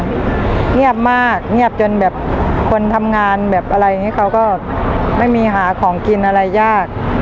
เงียบมากเงียบจนแบบคนทำงานแบบอะไรอย่างนี้เขาก็ไม่มีหาของกินอะไรยาก